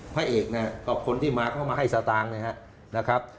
พระเอกก็คนที่มาเข้ามาให้สตางค์นะครับ